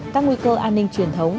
các nguy cơ an ninh truyền thống